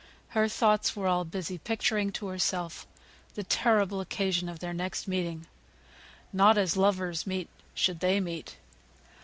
Her thoughts were all busy picturing to herself the terrible occasion of their next meeting not as lovers meet should they meet!